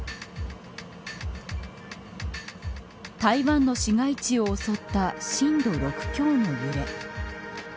台湾の市街地を襲った震度６強の揺れ。